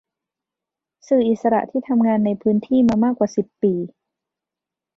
สื่ออิสระที่ทำงานในพื้นที่มามากกว่าสิบปี